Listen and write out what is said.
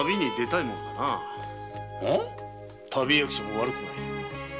旅役者も悪くはない。